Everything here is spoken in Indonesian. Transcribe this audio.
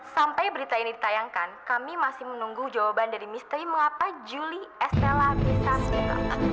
sampai berita ini ditayangkan kami masih menunggu jawaban dari misteri mengapa julie estella bisa speed